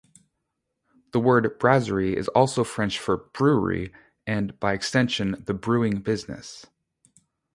The word "brasserie" is also French for "brewery" and, by extension, "the brewing business".